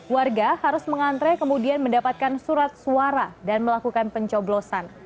warga harus mengantre kemudian mendapatkan surat suara dan melakukan pencoblosan